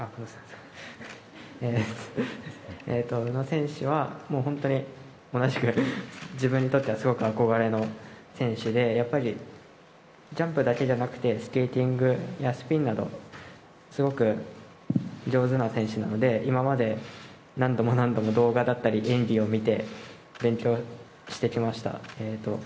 宇野選手は、もう本当に同じく、自分にとってはすごく憧れの選手で、やっぱりジャンプだけじゃなくてスケーティングやスピンなど、すごく上手な選手なので、今まで何度も何度も動画だったり、演技を見て、勉強してきました。